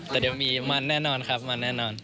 แต่เดี๋ยวมีมันแน่นอนครับมันแน่นอน